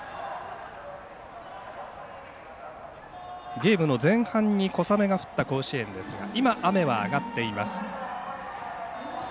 ゲームの前半に小雨が降った甲子園ですが今、雨は上がっています。